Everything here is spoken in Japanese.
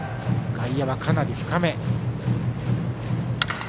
外野はかなり深め。